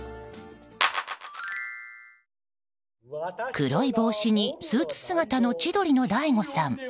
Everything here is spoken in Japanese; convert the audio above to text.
黒い帽子にスーツ姿の千鳥の大悟さん。